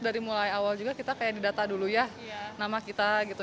dari mulai awal juga kita kayak didata dulu ya nama kita gitu